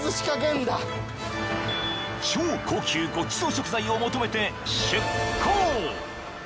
［超高級ごちそう食材を求めて出航！］